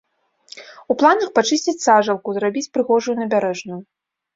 У планах пачысціць сажалку, зрабіць прыгожую набярэжную.